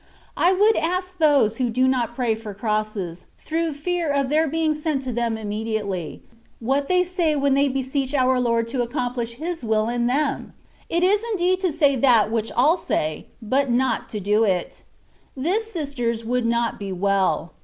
I would ask those who do not pray for crosses, through fear of their being sent to them immediately, what they say when they beseech our Lord to accom plish His will in them ? It is indeed to say that which all say, but not to do it. This, sisters, would not be well.